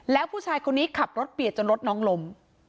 แล้วผู้ชายคนนี้ขับรถเบียดจนรถน้องล้ม